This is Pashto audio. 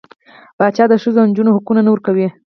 پاچا د ښځو او نجونـو حقونه نه ورکوي .